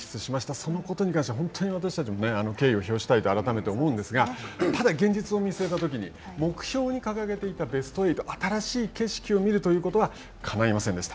そのことに関して本当に私たちも敬意を表したいと改めて思うんですがただ、現実を見据えたときに、目標に掲げていてベスト８、新しい景色を見るということはかないませんでした。